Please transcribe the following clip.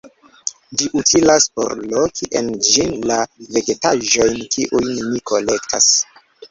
Ĝi utilas por loki en ĝin la vegetaĵojn, kiujn mi kolektas.